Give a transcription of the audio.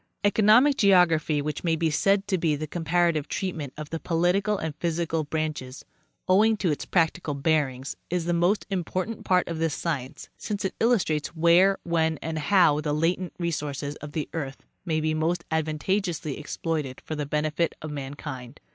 Kconomic geography—which may be said to be the compara tive treatment of the political and physical branches—owing to 'its practical bearings, is the most important part of this science, since it illustrates where, when and how the latent resources of the earth may be most advantageously exploited for the benefit of mankind.